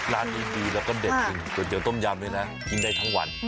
ร้านอีซูซูเราก็เด็ดจริงเดี๋ยวต้มยำนี่นะกินได้ทั้งวัน